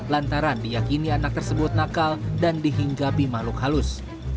lantaran diyakini anak tersebut nakal dan dihinggapi makhluk halus